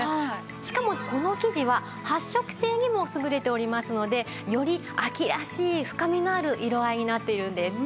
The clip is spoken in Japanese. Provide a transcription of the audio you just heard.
しかもこの生地は発色性にも優れておりますのでより秋らしい深みのある色合いになっているんです。